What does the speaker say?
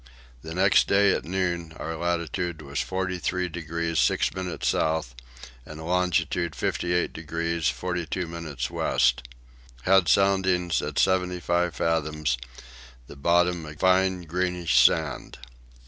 The next day at noon our latitude was 43 degrees 6 minutes south and longitude 58 degrees 42 minutes west. Had soundings at seventy five fathoms; the bottom a fine greenish sand.